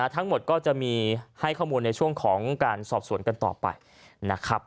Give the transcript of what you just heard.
ทั้งหมดก็จะมีให้ข้อมูลในช่วงของการสอบสวนกันต่อไปนะครับ